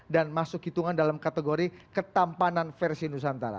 dan masuk hitungan dalam kategori ketampanan versi nusantara